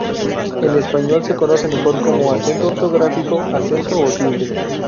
En español se conoce mejor como acento ortográfico, acento o tilde.